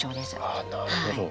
ああなるほど。